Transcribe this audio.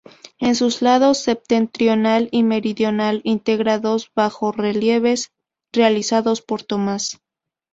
En sus lados septentrional y meridional integra dos bajorrelieves, realizados por Tomás.